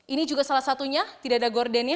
ini juga salah satunya tidak ada gordennya